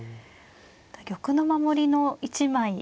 玉の守りの１枚。